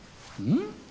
ん？